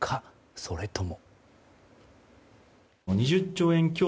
それとも。